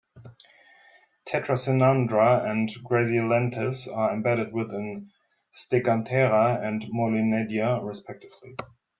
"Tetrasynandra" and "Grazielanthus" are embedded within "Steganthera" and "Mollinedia", respectively.